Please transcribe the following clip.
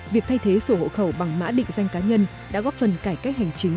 việc thay thế sổ hộ khẩu bằng mã định danh cá nhân đã góp phần cải cách hành chính